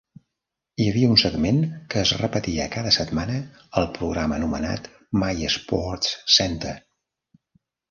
Hi havia un segment que es repetia cada setmana al programa anomenat My SportsCenter.